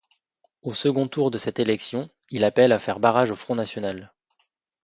Au second tour de cette élection, il appelle à faire barrage au front national.